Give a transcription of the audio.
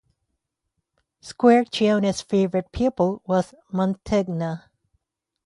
Squarcione's favorite pupil was Mantegna.